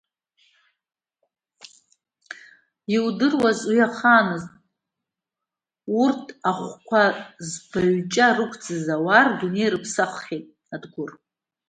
Иудыруаз, уи иахааныз, урҭ ахәқәа збаҩҷа рықәӡыз ауаа рдунеи рыԥсаххьеит, Адгәыр.